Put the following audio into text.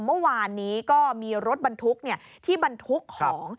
เมื่อวานนี้ก็มีรถบรรทุกที่บรรทุกของ